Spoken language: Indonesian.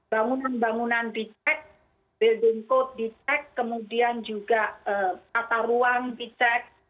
bangunan bangunan di cek building code di cek kemudian juga kata ruang di cek